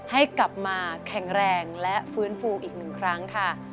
ให้กลับมาแข็งแรงและฟื้นฟูอีกหนึ่งครั้งค่ะ